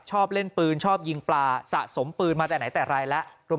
ชอบเล่นปืนชอบยิงปลาสะสมปืนมาแต่ไหนแต่ไรแล้ว